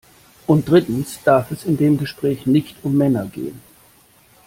Und drittens darf es in dem Gespräch nicht um Männer gehen.